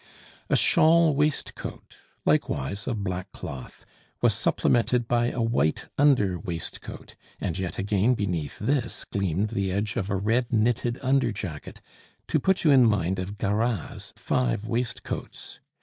A shawl waistcoat, likewise of black cloth, was supplemented by a white under waistcoat, and yet again beneath this gleamed the edge of a red knitted under jacket, to put you in mind of Garat's five waistcoats.